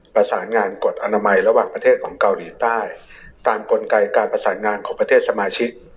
ประสานงานกฎอนามัยระหว่างประเทศของเกาหลีใต้ตามกลไกการประสานงานของประเทศสมาชิก